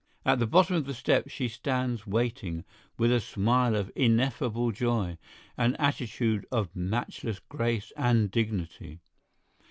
At the bottom of the steps she stands waiting, with a smile of ineffable joy, an attitude of matchless grace and dignity.